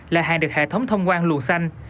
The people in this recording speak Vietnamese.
là hàng được hệ thống thông quan luồng xanh